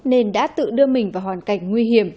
nên đã tự đưa mình vào hoàn cảnh nguy hiểm